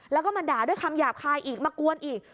แล้วก็มาด่าด้วยคำหยาบคายอีกมากวนอีก